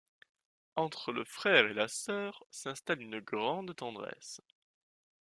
Entre le frère et la sœur s'installe une grande tendresse.